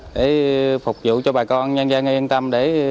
để phục vụ cho bà con nhân dân yên tâm để